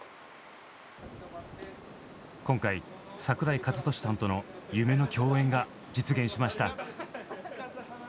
今回櫻井和寿さんとの夢の共演が実現しました。